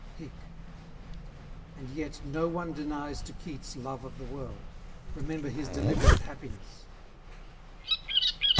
HIC And yet No one denies to Keats love of the world; Remember his deliberate happiness.